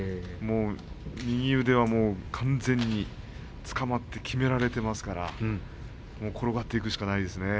右腕は完全につかまってきめられていますから転がっていくしかないですね。